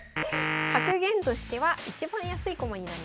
格言としては一番安い駒になります。